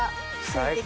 最高。